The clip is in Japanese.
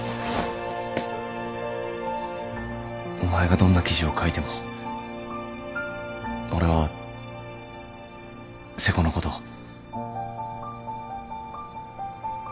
お前がどんな記事を書いても俺は瀬古のこと。